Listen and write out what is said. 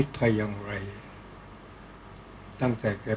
ก็ต้องทำอย่างที่บอกว่าช่องคุณวิชากำลังทำอยู่นั่นนะครับ